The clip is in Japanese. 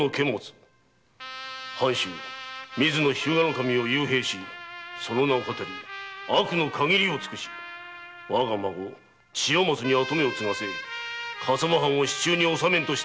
守を幽閉しその名を騙り悪の限りを尽くし我が孫・千代松に跡目を継がせ笠間藩を手中におさめんとした所業